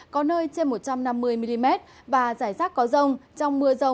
có nơi trên một trăm năm mươi mm và giải rác có rông